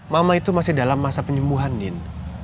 mama itu masih dalam masa penyembuhan din